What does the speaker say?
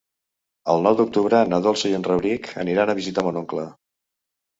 El nou d'octubre na Dolça i en Rauric aniran a visitar mon oncle.